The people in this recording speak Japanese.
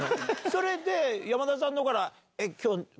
それで山田さんの方から。